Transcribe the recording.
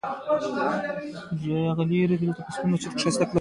ایا زه باید بدبین اوسم؟